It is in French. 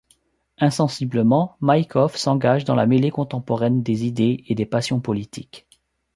Insensiblement, Maïkov s'engage dans la mêlée contemporaine des idées et des passions politiques.